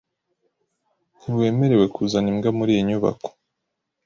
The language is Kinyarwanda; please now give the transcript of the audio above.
Ntiwemerewe kuzana imbwa muri iyi nyubako.